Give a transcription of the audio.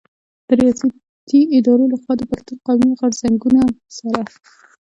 د رياستي ادارو له خوا د پښتون قامي غرځنګونو سره